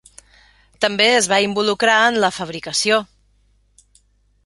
També es va involucrar en la fabricació.